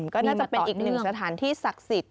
ก็น่าจะเป็นอีกหนึ่งสถานที่ศักดิ์สิทธิ